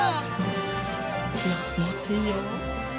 いいよもっていいよ。